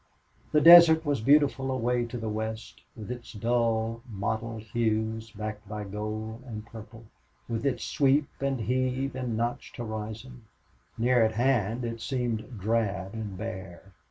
The desert was beautiful away to the west, with its dull, mottled hues backed by gold and purple, with its sweep and heave and notched horizon. Near at hand it seemed drab and bare.